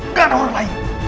gak ada orang lain